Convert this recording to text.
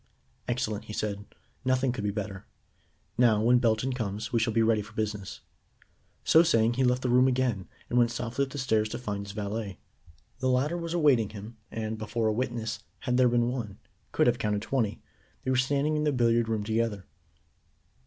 "Excellent," he said. "Nothing could be better. Now, when Belton comes, we shall be ready for business." So saying he left the room again, and went softly up the stairs to find his valet. The latter was awaiting him, and, before a witness, had there been one, could have counted twenty, they were standing in the billiard room together.